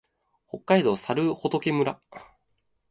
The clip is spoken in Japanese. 北海道猿払村